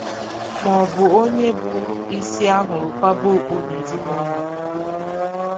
maọbụ onye bụ isi a hụrụ kwaba okpu n'ezinụlọ nwụrụ.